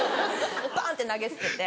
バン！って投げ捨てて。